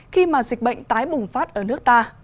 khi mà dịch bệnh tái bùng phát ở nước ta